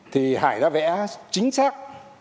thì hải đã vẽ chính xác